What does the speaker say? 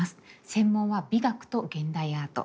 専門は美学と現代アート。